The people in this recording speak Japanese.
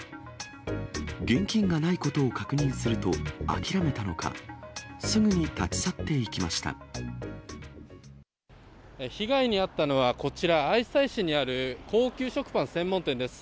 現金がないことを確認すると、諦めたのか、すぐに立ち去ってい被害に遭ったのはこちら、愛西市にある高級食パン専門店です。